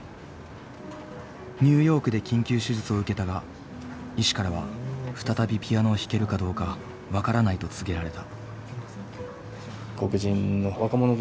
ニューヨークで緊急手術を受けたが医師からは再びピアノを弾けるかどうか分からないと告げられた。